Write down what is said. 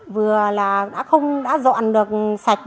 vừa là đã không đã dọn được sạch